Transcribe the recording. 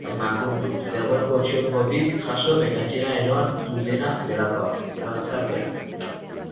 Makurtu, zegoen potxongotik jaso eta etxera eroan du dena delakoa, galtzarbean.